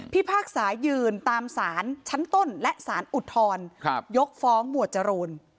พากษายืนตามสารชั้นต้นและสารอุทธรยกฟ้องหมวดจรูน